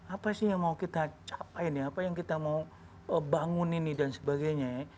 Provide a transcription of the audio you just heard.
apa sih yang mau kita capain ya apa yang kita mau bangunin dan sebagainya ya